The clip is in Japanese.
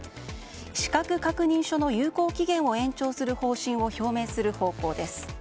資格確認書の有効期限を延長する方針を表明する方向です。